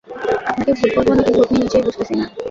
আপনাকে ভূত বলবো নাকি ভূতনী নিজেই বুঝতেছি না।